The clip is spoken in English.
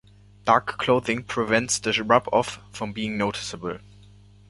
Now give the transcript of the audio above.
Dark clothing prevents the rub-off from being noticeable.